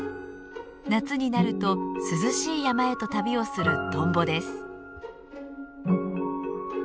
夏になると涼しい山へと旅をするトンボです。